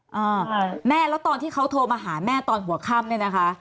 อ่าแม่แล้วตอนที่เขาโทรมาหาแม่ตอนหัวค่ำเนี่ยนะคะ